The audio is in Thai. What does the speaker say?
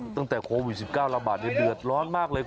ตั้งแต่โควิด๑๙ระบาดเดือดร้อนมากเลย